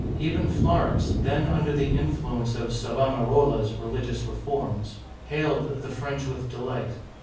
Even Flor'ence — then under the influence of Savonaro'la's religious reforms — hailed the French with delight.